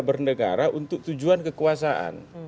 bernegara untuk tujuan kekuasaan